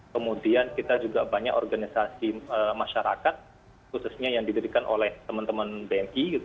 kemudian kita juga banyak organisasi masyarakat khususnya yang didirikan oleh teman teman bni